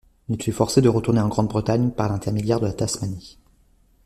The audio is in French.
Il fut forcé de retourner en Grande-Bretagne, par l'intermédiaire de la Tasmanie.